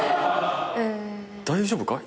大丈夫か？